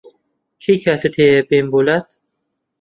کەی کاتت هەیە بێم بۆلات؟